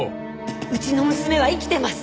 うちの娘は生きてます。